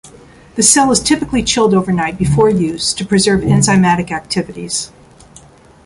The cell is typically chilled overnight before use to preserve enzymatic activities.